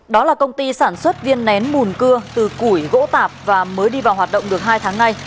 đó là công ty sản xuất viên nén mùn cưa từ củi gỗ tạp và mới đi vào hoạt động được hai tháng nay